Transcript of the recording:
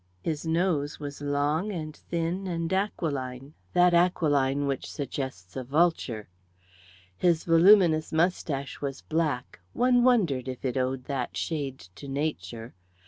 His nose was long, and thin, and aquiline that aquiline which suggests a vulture. His voluminous moustache was black; one wondered if it owed that shade to nature.